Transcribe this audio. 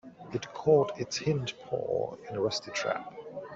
It caught its hind paw in a rusty trap.